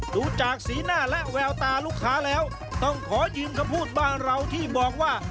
ดูจากสีหน้าและแววตาลูกค้าแล้วต้องขอยืมคำพูดบ้านเราที่บอกว่า